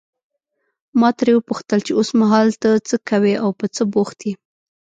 ما ترې وپوښتل چې اوسمهال ته څه کوې او په څه بوخت یې.